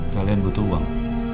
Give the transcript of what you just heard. kalian butuh uang